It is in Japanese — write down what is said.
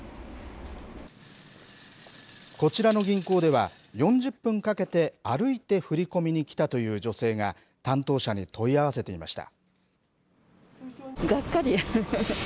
こちらの銀行では、４０分かけて、歩いて振り込みに来たという女性が、担当者に問い合わせていました。